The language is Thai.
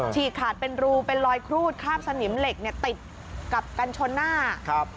ฉีกขาดเป็นรูเป็นรอยครูดคราบสนิมเหล็กเนี่ยติดกับกันชนหน้าครับ